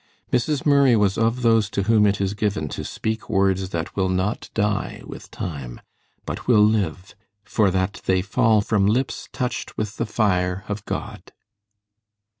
Mrs. Murray was of those to whom it is given to speak words that will not die with time, but will live, for that they fall from lips touched with the fire of God.